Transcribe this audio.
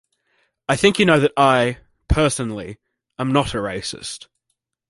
I think you know that I, personally, am not a racist.